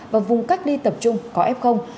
và vùng cách đi tập trung có ép không